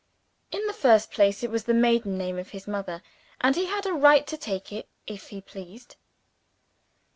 In the first place, it was the maiden name of his mother, and he had a right to take it if he pleased.